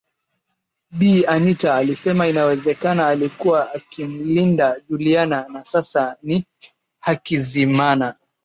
Bi Anita alisema inawezekana alikuwa akimlinda Juliana na sasa ni Hakizimana